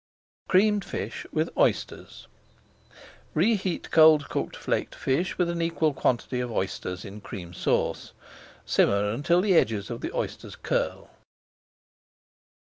CREAMED FISH WITH OYSTERS Reheat cold cooked flaked fish with an equal quantity of oysters in Cream Sauce. Simmer until the edges of the oysters curl.